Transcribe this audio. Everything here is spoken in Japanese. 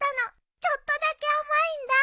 ちょっとだけ甘いんだ。